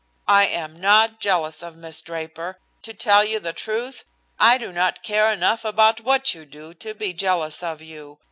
I am not jealous of Miss Draper. To tell you the truth, I do not care enough about what you do to be jealous of you.